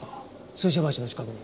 水車橋の近くに。